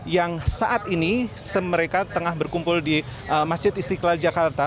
yang saat ini mereka tengah berkumpul di masjid istiqlal jakarta